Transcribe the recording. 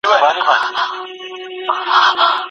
کلتور کې لوی توپير دی.